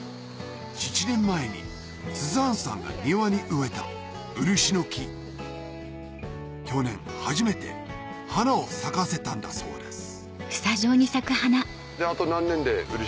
７年前にスザーンさんが庭に植えた漆の木去年初めて花を咲かせたんだそうです